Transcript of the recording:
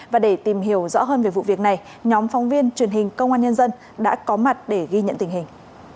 và để tìm hiểu rõ hơn về vụ việc này nhóm phóng viên truyền hình công an nhân dân đã có mặt để ghi nhận tình hình